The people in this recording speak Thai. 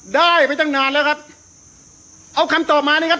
ได้ไปตั้งนานแล้วครับเอาคำตอบมานะครับ